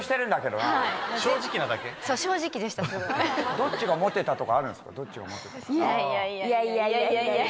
どっちがモテたとかあるんでいやいやいや。